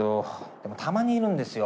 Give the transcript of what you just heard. でもたまにいるんですよ。